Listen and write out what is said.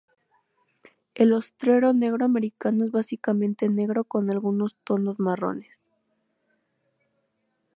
El ostrero negro americano es básicamente negro con algunos tonos marrones.